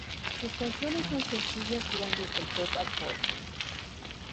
Sus canciones son sencillas y van desde el pop al folk.